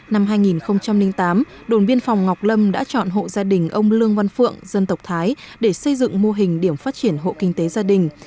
năm hai nghìn tám đồn biên phòng ngọc lâm đã chọn hộ gia đình ông lương văn phượng dân tộc thái để xây dựng mô hình điểm phát triển hộ kinh tế gia đình